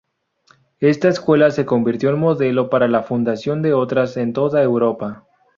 Esta Escuela se convirtió en modelo para la fundación de otras en toda Europa.